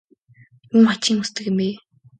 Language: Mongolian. Юун хачин юм хүсдэг юм бэ?